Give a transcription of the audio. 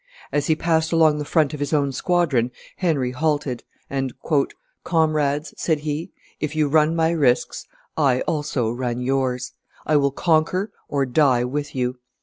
As he passed along the front of his own squadron, Henry halted; and, "Comrades," said he, "if you run my risks, I also run yours. I will conquer or die with you.